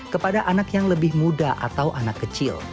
kepada anak yang lebih muda atau anak kecil